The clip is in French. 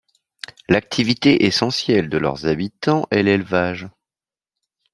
L'activité essentielle de leurs habitants est l'élevage.